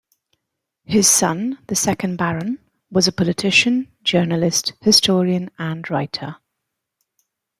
His son, the second Baron, was a politician, journalist, historian and writer.